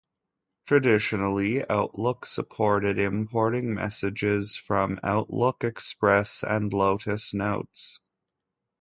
Traditionally, Outlook supported importing messages from Outlook Express and Lotus Notes.